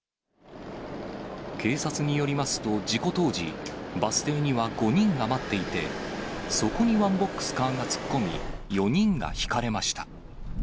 警察によりますと、事故当時、バス停には５人が待っていて、そこにワンボックスカーが突っ込み、４人がひかれました。